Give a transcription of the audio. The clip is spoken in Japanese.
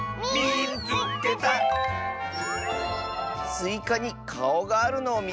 「スイカにかおがあるのをみつけた！」。